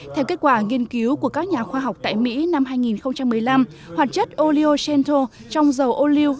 theo kết quả nghiên cứu của các nhà khoa học tại mỹ năm hai nghìn một mươi năm hoạt chất oleo cento trong dầu oleu